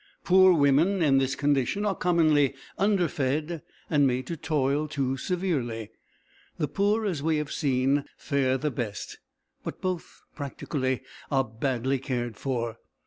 Poor women in this condition are commonly underfed and made to toil too severely. The poor, as we have seen, fare the best, but both, practically, are badly cared for.